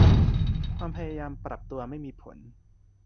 ความพยายามปรับตัวไม่มีผล